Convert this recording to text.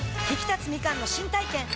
ひきたつみかんの新体験